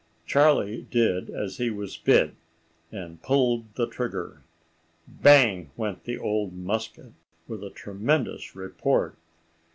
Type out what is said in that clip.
Charlie did as he was bid, and pulled the trigger. Bang went the old musket with a tremendous report.